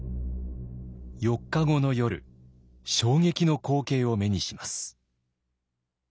４日後の夜衝撃の光景を目にします。